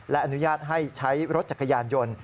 และอนุญาตให้ใช้รถจักรยานยนต์